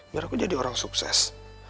biar aku jadi orang sukses